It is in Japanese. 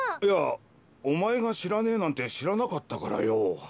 いやお前が知らねえなんて知らなかったからよ。